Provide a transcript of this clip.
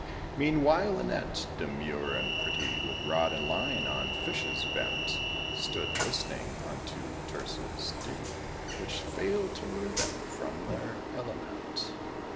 Meanwhile, Annette, demure and pretty, With rod and line, on fishes bent, Stood, listening unto Tircis' ditty, Which failed to lure them from their element.